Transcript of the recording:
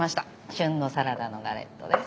旬のサラダのガレットです。